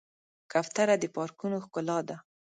کوتره د پارکونو ښکلا ده.